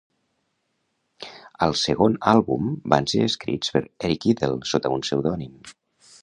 Al segon àlbum van ser escrits per Eric Idle sota un pseudònim.